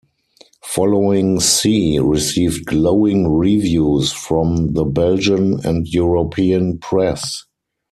"Following Sea" received glowing reviews from the Belgian and European press.